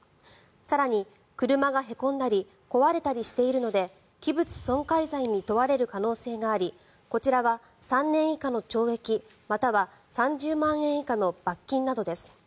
更に、車がへこんだり壊れたりしているので器物損壊罪に問われる可能性がありこちらは３年以下の懲役または３０万円以下の罰金などです。